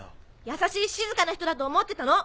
優しい静かな人だと思ってたの！